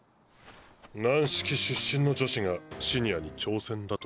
軟式出身の女子がシニアに挑戦だと？